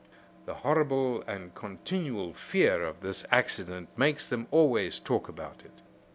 The horrible and continual fear of this accident makes them always talk about it.